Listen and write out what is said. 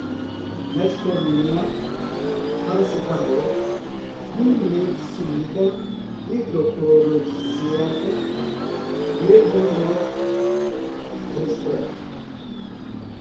Metformina, paracetamol, nimesulida, hidroclorotiazida, levonorgestrel